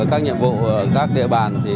các nhiệm vụ các địa bàn